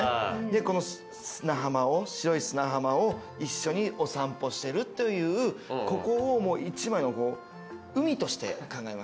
この白い砂浜を一緒にお散歩してるというここを１枚の海として考えました。